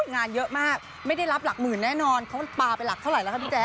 งานเยอะมากไม่ได้รับหลักหมื่นแน่นอนเขาปลาไปหลักเท่าไหร่แล้วครับพี่แจ